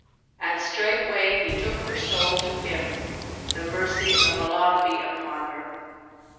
And straightway He took her soul to Him, the mercy of Allah be upon her!"